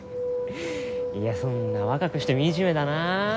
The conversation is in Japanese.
いやそんな若くして惨めだな。